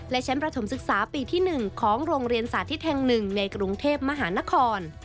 และชั้นประถมศึกษาปีที่๑ของโรงเรียนสาธิตแห่ง๑ในกรุงเทพมหานคร